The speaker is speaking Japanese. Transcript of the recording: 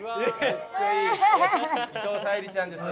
伊藤沙莉ちゃんです。